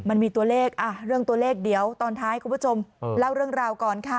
มันมีตัวเลขเรื่องตัวเลขเดี๋ยวตอนท้ายคุณผู้ชมเล่าเรื่องราวก่อนค่ะ